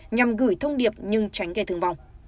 nhằm gửi thông điệp nhưng tránh gây thương vong